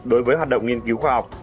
đối với hoạt động nghiên cứu khoa học